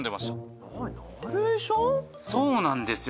そうなんですよ